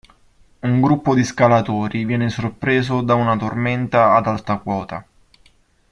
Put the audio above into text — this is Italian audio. Un gruppo di scalatori viene sorpreso da una tormenta ad alta quota.